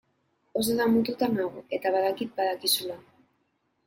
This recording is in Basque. Oso damututa nago eta badakit badakizula.